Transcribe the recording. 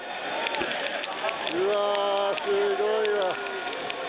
うわー、すごいわ。